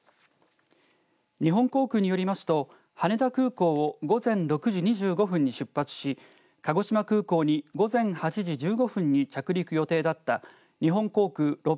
日本航空によりますと羽田空港を午前６時２５分に出発し鹿児島空港に午前８時１５分に着陸予定だった日本航空６４１